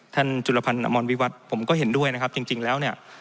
จุลพันธ์อมรวิวัตรผมก็เห็นด้วยนะครับจริงแล้วเนี่ย